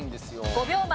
５秒前。